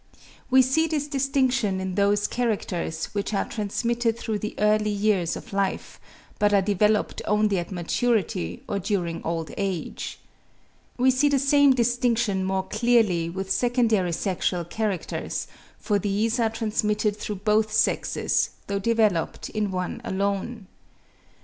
We see this distinction in those characters which are transmitted through the early years of life, but are developed only at maturity or during old age. We see the same distinction more clearly with secondary sexual characters, for these are transmitted through both sexes, though developed in one alone.